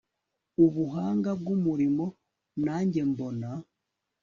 ubuhanga bw'umurimo nge mbona